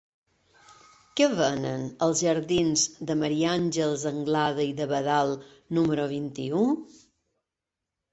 Què venen als jardins de Maria Àngels Anglada i d'Abadal número vint-i-u?